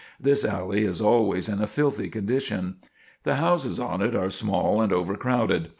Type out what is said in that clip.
This alley is always in a filthy condition. The houses on it are small and overcrowded.